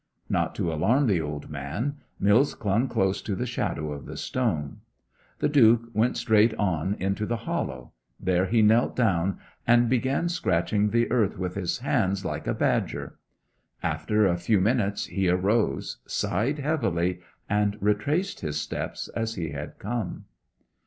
Not to alarm the old man, Mills clung close to the shadow of the stone. The Duke went straight on into the hollow. There he knelt down, and began scratching the earth with his hands like a badger. After a few minutes he arose, sighed heavily, and retraced his steps as he had come.